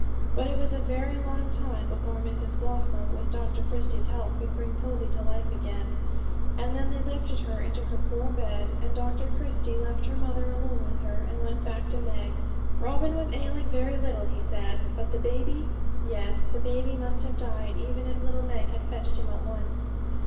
But it was a very long time before Mrs Blossom, with Dr Christie's help, could bring Posy to life again; and then they lifted her into her poor bed, and Dr Christie left her mother alone with her, and went back to Meg. Robin was ailing very little, he said: but the baby? Yes, the baby must have died even if little Meg had fetched him at once.